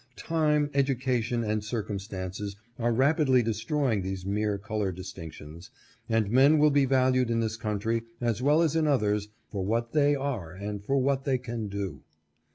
Time, edu cation, and circumstances are rapidly destroying these mere color distinctions, and men will be valued in this country, as well as in others, for what they are and for what they can do.